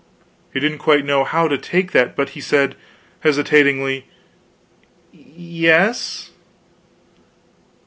He didn't quite know how to take that; but he said, hesitatingly: "Ye s."